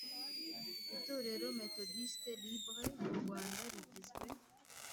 Itorero Methodiste Libre mu Rwanda rigizwe